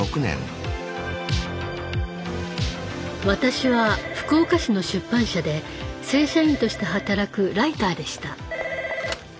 私は福岡市の出版社で正社員として働くライターでした。